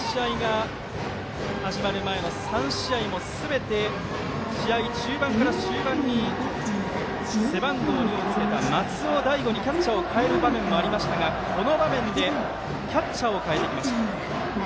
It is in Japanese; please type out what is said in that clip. この試合が始まる前の３試合もすべて試合中盤から終盤に背番号２をつけた松尾大悟にキャッチャーを代える場面もありましたが、この場面でキャッチャーを代えてきました。